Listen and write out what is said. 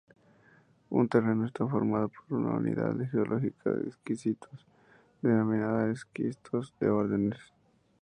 El terreno está formado por una unidad geológica de esquistos denominada Esquistos de Órdenes.